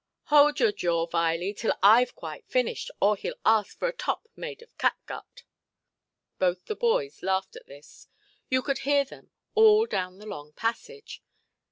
"Hold your jaw, Viley, till Iʼve quite finished; or heʼll ask for a top made of catgut". Both the boys laughed at this; you could hear them all down the long passage.